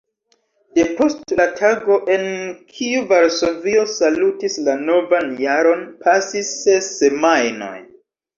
Depost la tago, en kiu Varsovio salutis la novan jaron, pasis ses semajnoj.